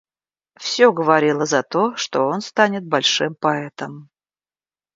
Всё говорило за то, что он станет большим поэтом.